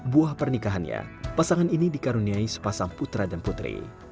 buah pernikahannya pasangan ini dikaruniai sepasang putra dan putri